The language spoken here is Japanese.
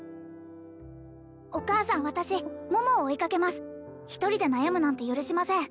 お母さん私桃を追いかけます一人で悩むなんて許しません